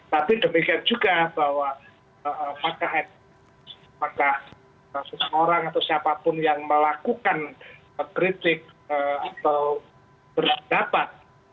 tapi demikian juga bahwa apakah seseorang atau siapapun yang melakukan kritik atau berpendapat